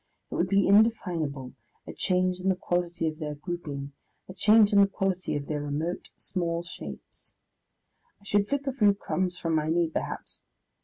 It would be indefinable, a change in the quality of their grouping, a change in the quality of their remote, small shapes. I should flick a few crumbs from my knee, perhaps.